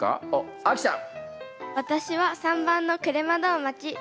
あきちゃん！